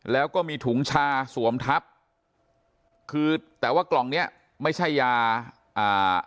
แล้วก็มีถุงชาสวมทับคือแต่ว่ากล่องเนี้ยไม่ใช่ยาอ่า